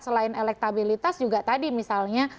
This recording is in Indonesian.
selain elektabilitas juga tadi misalnya